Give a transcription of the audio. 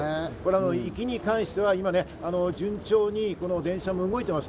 雪に関しては順調に電車も動いてます。